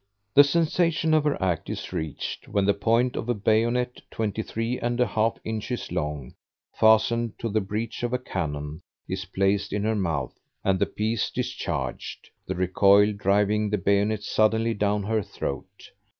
The sensation of her act is reached when the point of a bayonet, 23 1/2 inches long, fastened to the breech of a cannon, is placed in her mouth and the piece discharged; the recoil driving the bayonet suddenly down her throat.